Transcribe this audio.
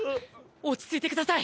落ち着いて下さい！